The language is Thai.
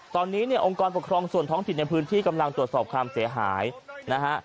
ตอนนี้เนี่ยองค์กรปกครองส่วนท้องถิ่นในพื้นที่กำลังตรวจสอบความเสียหายนะฮะ